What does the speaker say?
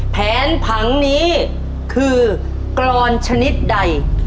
แผนผังนี้คือกรอนชนิดใด